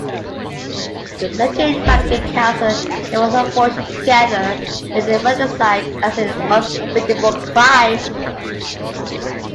The Second Vatican Council defines abortion, together with infanticide, as an unspeakable crime.